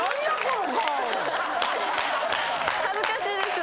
恥ずかしいです。